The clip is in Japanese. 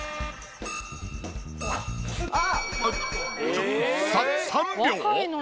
ちょっさ３秒！？